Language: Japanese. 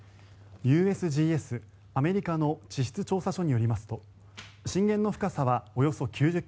・アメリカの地質調査所によりますと震源の深さはおよそ９０ｋｍ